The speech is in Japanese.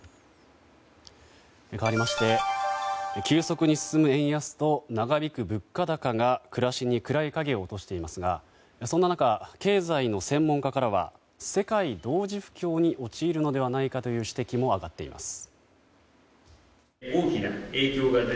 かわりまして急速に進む円安と長引く物価高が暮らしに暗い影を落としていますがそんな中、経済の専門家からは世界同時不況に陥るのではないかという指摘も上がっています。